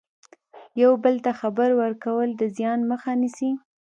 یو بل ته خبر ورکول د زیان مخه نیسي.